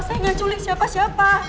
saya gak julik siapa siapa